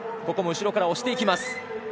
ここも後ろから押していきます。